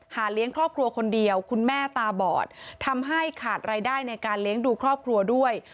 เลี้ยงครอบครัวคนเดียวคุณแม่ตาบอดทำให้ขาดรายได้ในการเลี้ยงดูครอบครัวด้วย